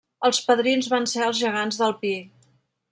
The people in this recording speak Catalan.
Els padrins van ser els Gegants del Pi.